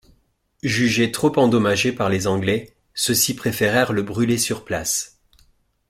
Jugé trop endommagé par les Anglais, ceux-ci préférèrent le brûler sur place.